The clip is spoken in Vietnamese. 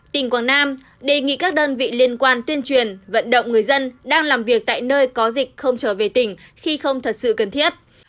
tỉnh quảng nam đề nghị các đơn vị liên quan tuyên truyền vận động người dân đang làm việc tại nơi có dịch không trở về tỉnh khi không thật sự cần thiết